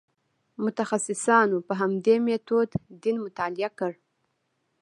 متخصصانو په همدې میتود دین مطالعه کړ.